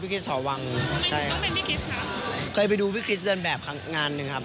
พี่คริสหอวังใช่ต้องเป็นพี่คริสค่ะเคยไปดูพี่คริสเดินแบบครั้งงานหนึ่งครับ